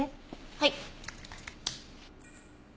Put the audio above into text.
はい。